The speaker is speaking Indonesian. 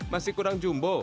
masih kurang jumbo